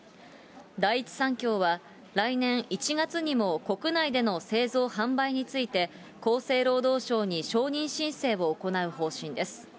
第一三共は、来年１月にも国内での製造・販売について厚生労働省に承認申請を行う方針です。